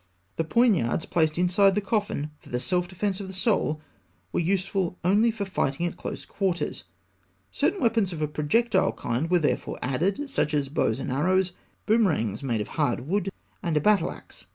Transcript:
The poignards placed inside the coffin for the self defence of the soul were useful only for fighting at close quarters; certain weapons of a projectile kind were therefore added, such as bows and arrows, boomerangs made in hard wood, and a battle axe.